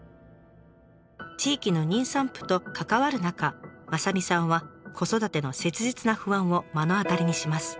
地域の妊産婦と関わる中雅美さんは子育ての切実な不安を目の当たりにします。